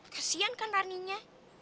kesian kan rani nya